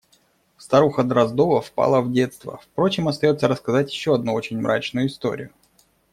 Старуха Дроздова впала в детство… Впрочем, остается рассказать еще одну очень мрачную историю.